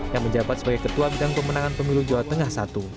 yang menjabat sebagai ketua bidang pemenangan pemilu jawa tengah i